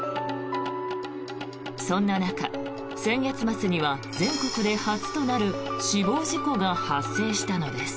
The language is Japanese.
そんな中、先月末には全国で初となる死亡事故が発生したのです。